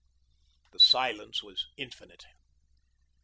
The silence was infinite.